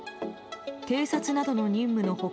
偵察などの任務の他